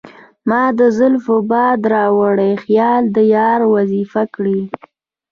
مــــــا د زلفو باد راوړی خیــــــال د یار وظیفه کـــــړی